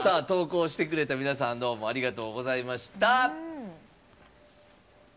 投稿してくれた皆さんどうもありがとうございました。